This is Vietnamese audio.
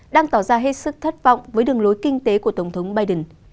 đang tỏ ra hết sức thất vọng với đường lối kinh tế của tổng thống biden